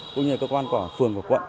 cũng như cơ quan của phường và quận